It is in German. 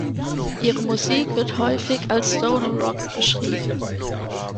Ihre Musik wird häufig als Stoner Rock beschrieben.